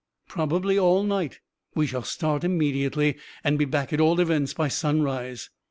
"Probably all night. We shall start immediately, and be back, at all events, by sunrise."